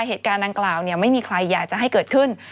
เหตุการณ์ดังกล่าวไม่มีใครอยากจะให้เกิดขึ้น